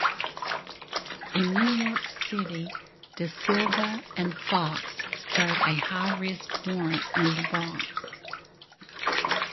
In New York City, DaSilva and Fox serve a high-risk warrant in the Bronx.